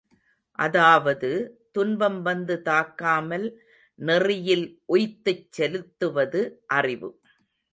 அதாவது, துன்பம் வந்து தாக்காமல் நெறியில் உய்த்துச் செலுத்துவது அறிவு.